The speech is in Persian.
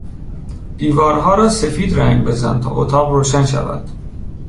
دیوارها را سفید رنگ بزن تا اتاق روشن شود.